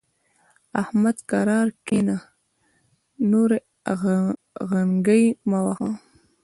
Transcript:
احمد؛ کرار کېنه ـ نورې غنګۍ مه وهه.